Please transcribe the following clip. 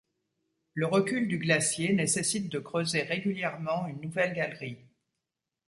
Le recul du glacier nécessite de creuser régulièrement une nouvelle galerie.